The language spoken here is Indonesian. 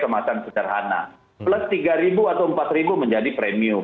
kemasan sederhana plus rp tiga atau rp empat menjadi premium